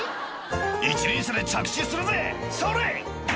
「一輪車で着地するぜそれ！」